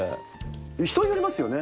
人によりますよね。